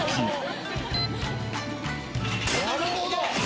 なるほど。